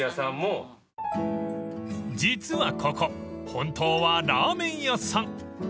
［実はここ本当はラーメン屋さん］